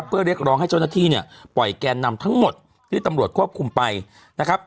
เพื่อเรียกร้องให้เจ้าหน้าที่เนี่ยปล่อยแกนนำทั้งหมดที่ตำรวจควบคุมไปนะครับ